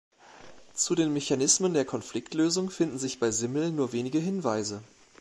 Zu den Mechanismen der Konfliktlösung finden sich bei Simmel nur wenige Hinweise.